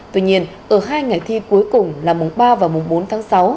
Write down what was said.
tuy nhiên ở hai ngày thi cuối cùng là mùng ba và mùng bốn tháng sáu